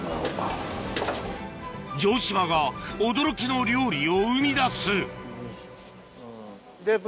城島が驚きの料理を生み出す